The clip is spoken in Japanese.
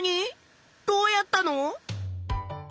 どうやったの？